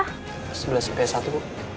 kamu kelas berapa